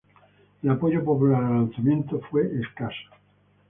El apoyo popular al alzamiento fue escaso.